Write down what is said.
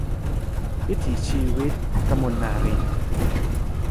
วิถีชีวิต - กมลนารีย์